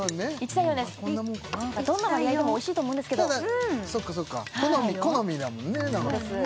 どんな割合でもおいしいと思うんですけどそうかそうか好みだもんね